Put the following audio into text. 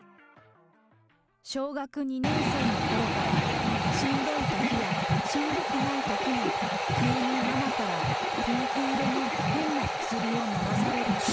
小学２年生のころから、しんどいときや、しんどくないときも、急にママからピンク色の変な薬を飲まされる。